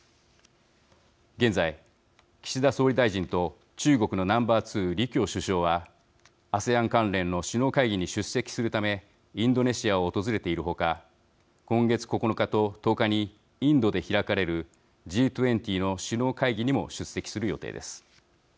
現在、岸田総理大臣と中国のナンバー２、李強首相はＡＳＥＡＮ関連の首脳会議に出席するためインドネシアを訪れている他今月９日と１０日にインドで開かれるＧ２０の首脳会議にも出席する予定です。